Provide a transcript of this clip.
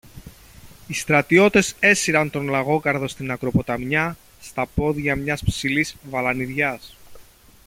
Οι στρατιώτες έσυραν τον Λαγόκαρδο στην ακροποταμιά, στα πόδια μιας ψηλής βαλανιδιάς.